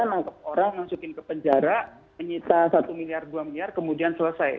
menangkap orang masukin ke penjara menyita satu miliar dua miliar kemudian selesai